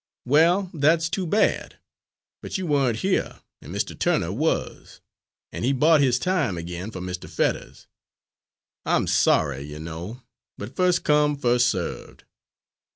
"Well, that's too bad; but you weren't here, and Mr. Turner was, and he bought his time again for Mr. Fetters. I'm sorry, you know, but first come, first served."